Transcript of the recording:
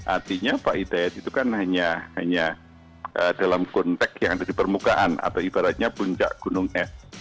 artinya pak hidayat itu kan hanya dalam konteks yang ada di permukaan atau ibaratnya puncak gunung es